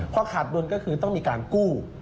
พอขาดดุลก็คือต้องมีการกู้